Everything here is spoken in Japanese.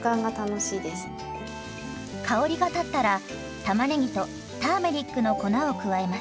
香りが立ったらたまねぎとターメリックの粉を加えます。